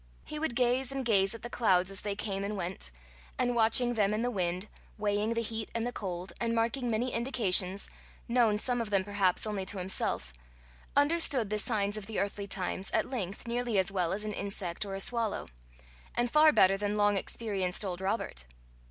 He would gaze and gaze at the clouds as they came and went, and watching them and the wind, weighing the heat and the cold, and marking many indications, known some of them perhaps only to himself, understood the signs of the earthly times at length nearly as well as an insect or a swallow, and far better than long experienced old Robert.